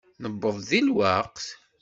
Newweḍ-d di lweqt?